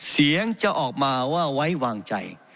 เสียงจะออกมาว่าไว้วางใจ